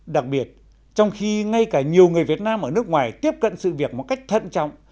đặc biệt trong khi ngay cả nhiều người việt nam ở nước ngoài tiếp cận sự việc một cách thận trọng